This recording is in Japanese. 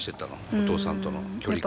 お父さんとの距離感。